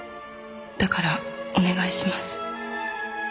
「だからお願いします」